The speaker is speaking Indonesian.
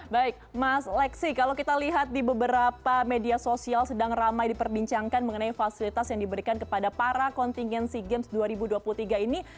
baik mas leksi kalau kita lihat di beberapa media sosial sedang ramai diperbincangkan mengenai fasilitas yang diberikan kepada para kontingen sea games dua ribu dua puluh tiga ini